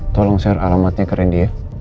tolong share alamatnya ke rendy ya